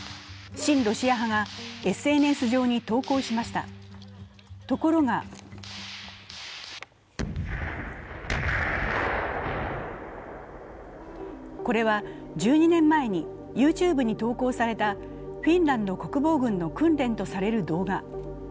親ロシア派がＳＮＳ上に投稿しましたところがこれは１２年前にＹｏｕＴｕｂｅに投稿されたフィンランド国防軍の訓練とされる動画。